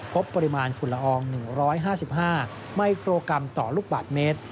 พบปริมาณฝุ่นละออง๑๕๕มิโครกรัมต่อลูกบาทเมตร